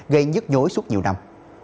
gây nhất dối suốt nhiều năm